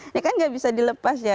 ini kan nggak bisa dilepas ya